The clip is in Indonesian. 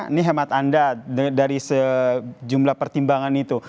ini hemat anda dari sejumlah pertimbangan itu